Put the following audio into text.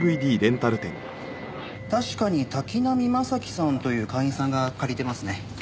確かに滝浪正輝さんという会員さんが借りてますね。